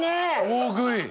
大食い。